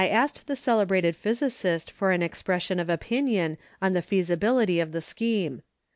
February, 1919 brated physicist for an expression of opin ion on the feasibility of the scheme.